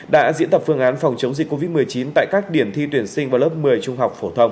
đã diễn tập phương án phòng chống dịch covid một mươi chín tại các điểm thi tuyển sinh vào lớp một mươi trung học phổ thông